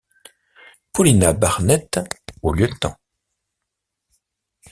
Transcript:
Paulina Barnett au lieutenant.